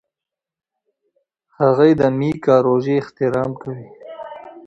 هغې د میکا روژې احترام کوي.